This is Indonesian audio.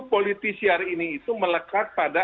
politisiar ini itu melekat pada